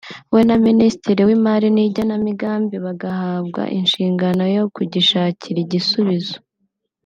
we na Minisitiri w’Imari n’Igenamigambi bagahabwa inshingano yo kugishakira igisubizo